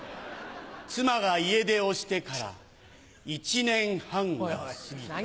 妻が家出をしてから１年半が過ぎていた。